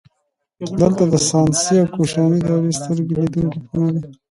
دلته د ساساني او کوشاني دورې سترګې لیدونکي پلونه وو